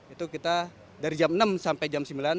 itu kita dari jam enam sampai jam sembilan